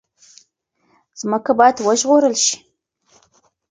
ځمکه باید وژغورل شي.